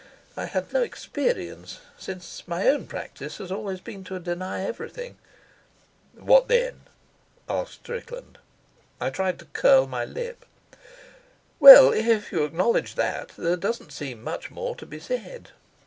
I had no experience, since my own practice has always been to deny everything. "What, then?" asked Strickland. I tried to curl my lip. "Well, if you acknowledge that, there doesn't seem much more to be said."